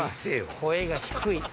声が低い。